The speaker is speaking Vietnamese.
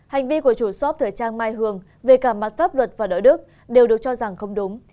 hành vi của chủ shop thời trang mai hường về cả mặt pháp luật và đạo đức đều được cho rằng không đúng